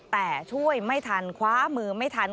แต่ช่วยไม่ทันคว้ามือไม่ทัน